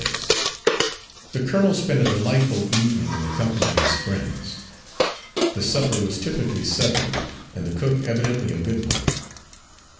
Six The colonel spent a delightful evening in the company of his friends. The supper was typically Southern, and the cook evidently a good one.